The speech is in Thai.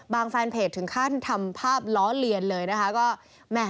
บางแฟนเพจถึงขั้นทำภาพล้อเลียนเลยนะคะ